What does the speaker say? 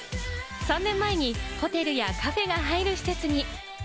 ３年前にホテルやカフェが入る施設に！